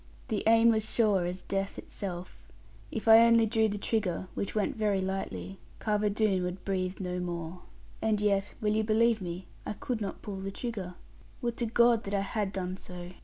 The aim was sure as death itself. If I only drew the trigger (which went very lighily) Carver Doone would breathe no more. And yet will you believe me? I could not pull the trigger. Would to God that I had done so!